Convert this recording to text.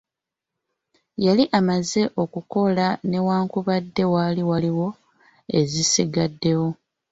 Yali amaze okukola newankubadde waali waliyo ezisigaddewo.